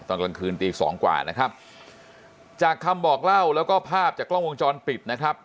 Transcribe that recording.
ตอนกลางคืนตีสองกว่านะครับจากคำบอกเล่าแล้วก็ภาพจากกล้องวงจรปิดนะครับ